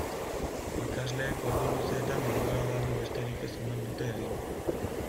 Ikasleek ordu luzeetan denbora galdu besterik ez omen dute egin.